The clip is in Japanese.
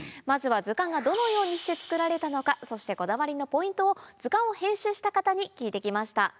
まずは図鑑がどのようにして作られたのかそしてこだわりのポイントを図鑑を編集した方に聞いて来ました。